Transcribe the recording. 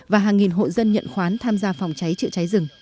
và hàng nghìn hộ dân nhận khoán tham gia phòng cháy chữa cháy rừng